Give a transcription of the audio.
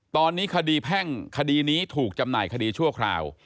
ตอนนี้คดีแพ่งคดีนี้ถูกจำหน่ายคดีชั่วคราว